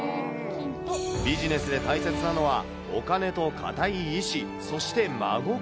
ビジネスで大切なのはお金と固い意志、そして真心。